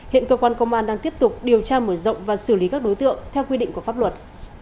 hiện cơ quan công an đang tiếp tục điều tra mở rộng và xử lý các đối tượng theo quy định của pháp luật